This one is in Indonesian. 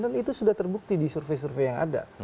itu sudah terbukti di survei survei yang ada